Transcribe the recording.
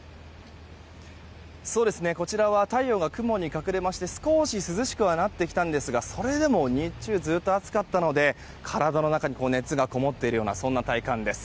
こちらは太陽が雲に隠れまして少し涼しくはなってきたんですがそれでも日中ずっと暑かったので体の中に熱がこもっているような体感です。